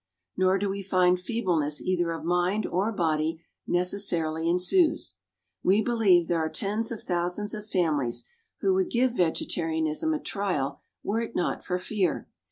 Nor do we find feebleness either of mind or body necessarily ensues. We believe there are tens of thousands of families who would give vegetarianism a trial were it not for fear.